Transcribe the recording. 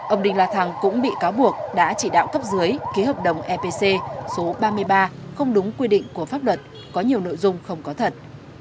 ông đinh la thăng cũng bị cáo buộc đã chỉ đạo cấp dưới ký hợp đồng epc số ba mươi ba không đúng quy định của pháp luật có nhiều nội dung không có thật